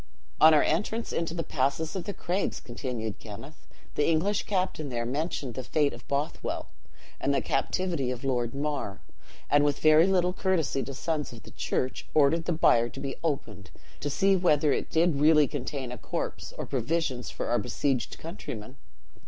"'On our entrance into the passes of the craigs,' continued Kenneth, 'the English captain there mentioned the fate of Bothwell, and the captivity of Lord Mar; and with very little courtesy to sons of the church, ordered the bier to be opened, to see whether it did really contain a corpse, or provisions for our besieged countrymen.